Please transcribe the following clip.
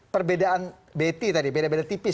perbedaan beti tadi